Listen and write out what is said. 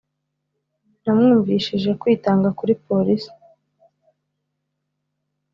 namwumvishije kwitanga kuri polisi.